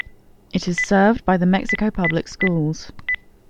It is served by the Mexico Public Schools.